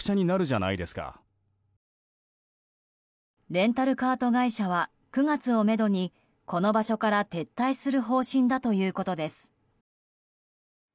レンタルカート会社は９月をめどにこの場所から撤退する方針だということです。